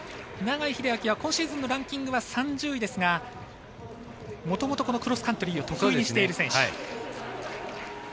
永井秀昭は今シーズンのランキングは３０位ですがもともとクロスカントリーを得意にしている選手。